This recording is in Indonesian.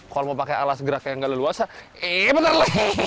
kalau mau pakai alas gerak yang gak leluasa eh bener lah